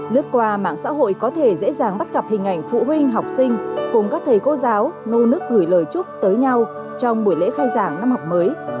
lướt qua mạng xã hội có thể dễ dàng bắt gặp hình ảnh phụ huynh học sinh cùng các thầy cô giáo nô nức gửi lời chúc tới nhau trong buổi lễ khai giảng năm học mới